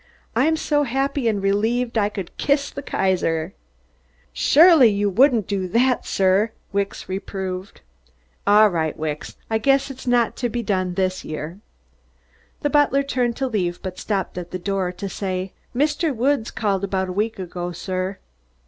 "I'm so happy and relieved I could kiss the Kaiser." "You surely wouldn't do that, sir," Wicks reproved. "All right, Wicks. I guess it's not being done this year." The butler turned to leave but stopped at the door to say: "Mr. Woods called about a week ago, sir."